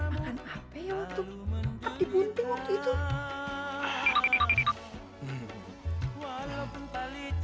waktu dibunting waktu itu